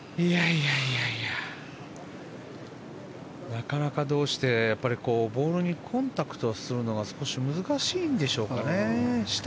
なかなかどうしてボールにコンタクトするのが少し難しいんでしょうかね。